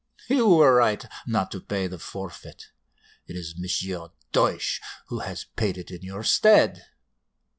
"You were right not to pay the forfeit; it is M. Deutsch who has paid it in your stead.